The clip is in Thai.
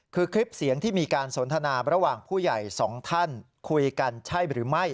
คือคลิปเสียงที่มีการสนทนาระหว่างผู้ใหญ่สองท่านคุยกันใช่หรือไม่